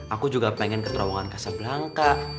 aku juga pengen ke terowongan kasab langka